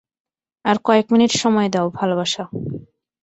আর কয়েক মিনিট সময় দাও, ভালোবাসা।